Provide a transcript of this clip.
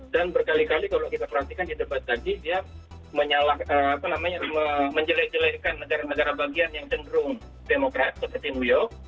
dan berkali kali kalau kita perhatikan di debat tadi dia menjelek jelekan negara negara bagian yang cenderung demokrat seperti new york